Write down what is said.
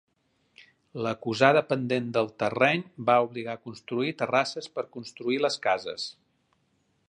L'acusada pendent del terreny va obligar a construir terrasses per construir les cases.